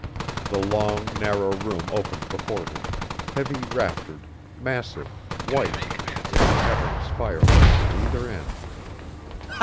The long, narrow room opened before him, heavy raftered, massive, white, with a cavernous fireplace at either end.